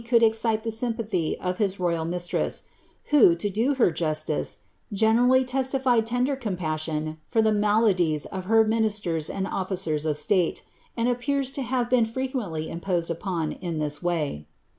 could esciie llie sympathy of his royal mistress, who, to do her jn^Wf generally testified tender compassion for the maladies of ht r minirw* and oHicera of stale, and apjiears to have been frequently imposed i^i''^ in this way.